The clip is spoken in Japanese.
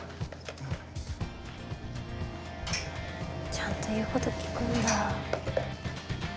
ちゃんと言うこときくんだ。